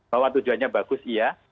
bahwa tujuannya bagus iya